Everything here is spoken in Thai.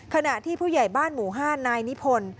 ขณะที่ผู้ใหญ่บ้านหมู่๕นายนิพนธ์